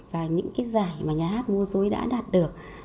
và những cái giải mà nhà hát mô dối đã đạt được